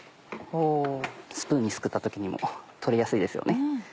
スプーンにすくった時にも取りやすいですよね。